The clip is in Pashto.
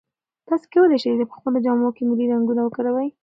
تاسي کولای شئ په خپلو جامو کې ملي رنګونه وکاروئ.